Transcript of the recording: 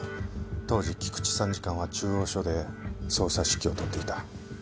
当時菊池参事官は中央署で捜査指揮を執っていた。